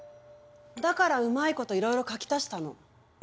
だからうまいこといろいろ書き足したの。